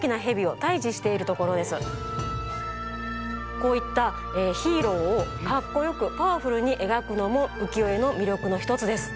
こういったヒーローをかっこよくパワフルにえがくのもうきよえのみりょくのひとつです。